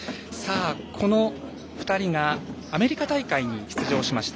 この２人がアメリカ大会に出場しました。